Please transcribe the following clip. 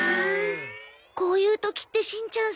こういう時ってしんちゃん